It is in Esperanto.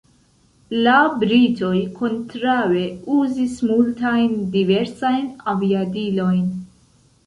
La britoj kontraŭe uzis multajn diversajn aviadilojn.